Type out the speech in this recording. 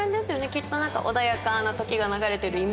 きっとなんか穏やかな時が流れてるイメージで。